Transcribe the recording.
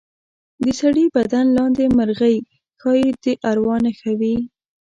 د سړي بدن لاندې مرغۍ ښایي د اروا نښه وي.